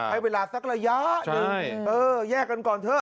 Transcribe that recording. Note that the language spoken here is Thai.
ให้เวลาสักระยะหนึ่งเออแยกกันก่อนเถอะ